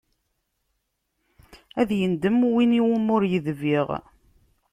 Ad indem win iwumi ur idbiɣ.